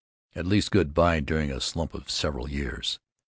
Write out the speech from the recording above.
At least good bye during a slump of several years.